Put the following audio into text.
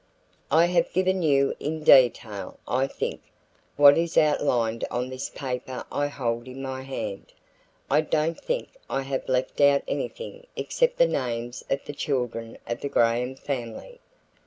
"I have given you in detail, I think, what is outlined on this paper I hold in my hand. I don't think I have left out anything except the names of the children of the Graham family.